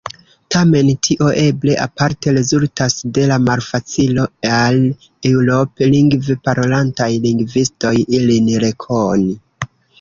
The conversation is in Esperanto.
Tamen, tio eble parte rezultas de la malfacilo al Eŭrop-lingve parolantaj lingvistoj ilin rekoni.